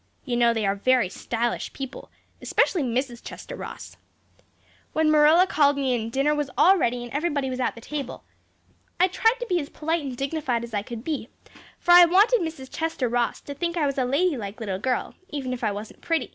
You know they are very stylish people, especially Mrs. Chester Ross. When Marilla called me in dinner was all ready and everybody was at the table. I tried to be as polite and dignified as I could be, for I wanted Mrs. Chester Ross to think I was a ladylike little girl even if I wasn't pretty.